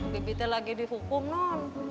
bibi teh lagi dihukum non